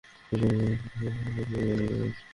সুতরাং প্রত্যহ সকালে আমি আটা গুলি, খামিরা করি।